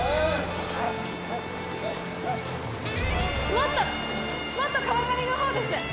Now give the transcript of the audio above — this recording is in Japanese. もっともっと川上のほうです。